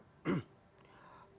apa sih sebetulnya dari partai gerindra